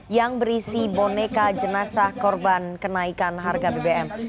yang berisi boneka jenazah korban kenaikan harga bbm